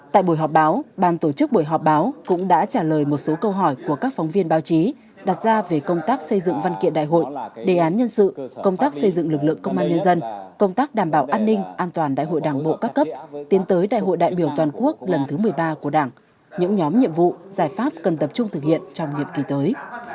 tại buổi họp báo bàn tổ chức buổi họp báo cũng đã trả lời một số câu hỏi của các phóng viên báo chí đặt ra về công tác xây dựng văn kiện đại hội đề án nhân sự công tác xây dựng lực lượng công an nhân dân công tác đảm bảo an ninh an toàn đại hội đảng bộ các cấp tiến tới đại hội đại biểu toàn quốc lần thứ một mươi ba của đảng những nhóm nhiệm vụ giải pháp cần tập trung thực hiện trong nhiệm kỳ tới